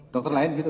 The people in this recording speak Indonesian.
dokter lain gitu